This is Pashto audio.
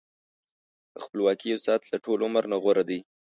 د خپلواکۍ یو ساعت له ټول عمر نه غوره دی.